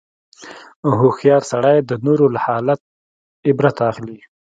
هوښیار سړی د نورو له حاله عبرت اخلي.